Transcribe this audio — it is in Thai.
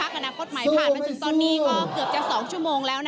คุณพัฒนาคุณอารัชพรครับ